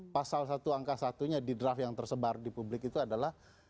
pasal satu angka satunya di draft yang tersebar di publik itu adalah